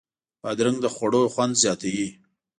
بادرنګ د خوړو خوند زیاتوي.